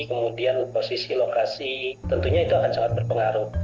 kemudian posisi lokasi tentunya itu akan sangat berpengaruh